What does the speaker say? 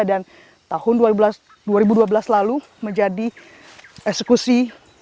dan tahun dua ribu dua belas lalu menjadi eksekusi